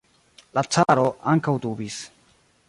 La caro ankaŭ dubis.